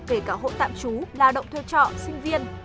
kể cả hộ tạm trú lao động thuê trọ sinh viên